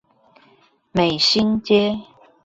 美興街